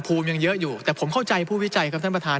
ภูมิยังเยอะอยู่แต่ผมเข้าใจผู้วิจัยครับท่านประธาน